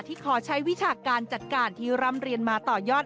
ขอใช้วิชาการจัดการที่ร่ำเรียนมาต่อยอด